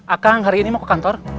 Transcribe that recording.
akang hari ini mau ke kantor